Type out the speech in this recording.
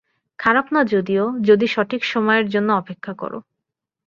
খারাপ না যদিও, যদি সঠিক সময়ের জন্য অপেক্ষা করো।